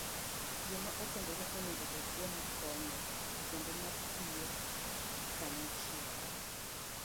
Joma okendore onego obed joma konye kendo ma tiyo kanyachiel